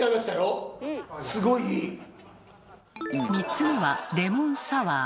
３つ目はレモンサワー。